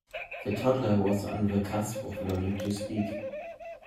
The toddler was on the cusp of learning to speak.